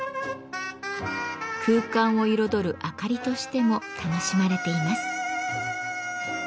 空間を彩るあかりとしても楽しまれています。